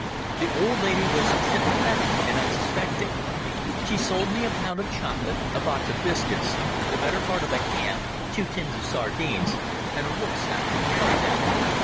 The old lady was sympathetic and unsuspecting. She sold me a pound of chocolate, a box of biscuits, the better part of a ham, two tins of sardines and a rucksack to carry them.